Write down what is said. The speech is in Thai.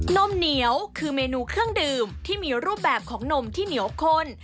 นมเหนียวคือเมนูเครื่องดื่มที่มีรูปแบบของนมที่เหนียวข้น